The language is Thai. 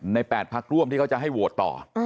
๘พักร่วมที่เขาจะให้โหวตต่อ